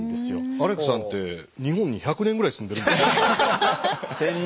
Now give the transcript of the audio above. アレックさんって日本に１００年ぐらい住んでるんですか？